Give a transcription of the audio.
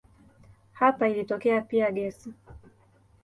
Hapa ilitokea pia gesi.